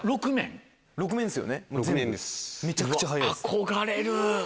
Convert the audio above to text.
憧れる。